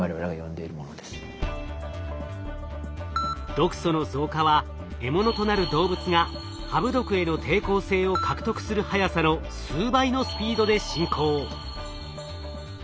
毒素の増加は獲物となる動物がハブ毒への抵抗性を獲得する速さの数倍のスピードで進行。